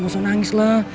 gak usah nangis lah